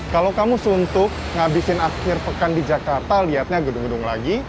kalau kamu suntuk ngabisin akhir pekan di jakarta lihatnya gedung gedung lagi